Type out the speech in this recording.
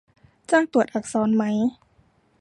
จ้างตรวจอักษรไหม